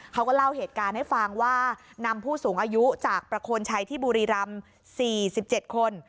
เขาก็เล่าเหตุการณ์ให้ฟังว่านำผู้สูงอายุจากประโคนชัยที่บุรีรำ๔๗คน